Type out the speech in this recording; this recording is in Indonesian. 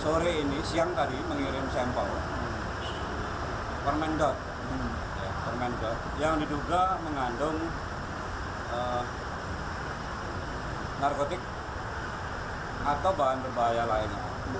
sore ini siang tadi mengirim sampel permen yang diduga mengandung narkotik atau bahan berbahaya lainnya